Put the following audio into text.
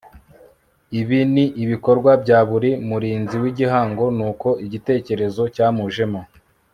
ibi ni ibikorwa bya buri murinzi w'igihango n'uko igitekerezo cyamujemo